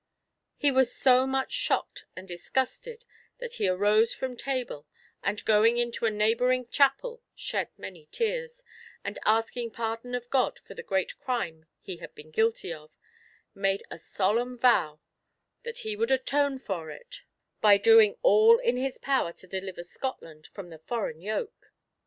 He was so much shocked and disgusted that he arose from table, and, going into a neighbouring chapel, shed many tears, and, asking pardon of God for the great crime he had been guilty of, made a solemn vow that he would atone for it by doing all in his power to deliver Scotland from the foreign yoke.